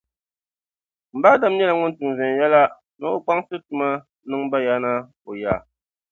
Mba Adam nyɛla ŋun tum viɛnyɛla ni o kpaŋsi tuma niŋ bayaana o ya.